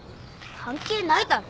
関係ないだろ。